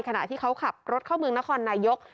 ขณะที่เขาขับรถเข้าเมืองนครนายก